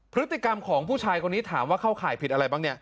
พฤติกรรมของผู้ชายคนนี้ถามว่าเข้าข่ายผิดอะไรบ้างเนี่ย